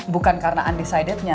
bukan karena undecided nya